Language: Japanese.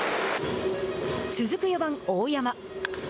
続く４番大山。